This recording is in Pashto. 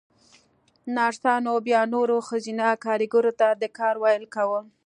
نرسانو بيا نورو ښځينه کاريګرو ته د کار ويل کاوه.